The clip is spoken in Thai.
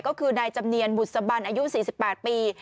ก็คือนายจำเนียนบุษบันอายุ๔๘ปี